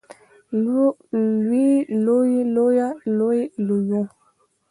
لوی لویې لويه لوې لويو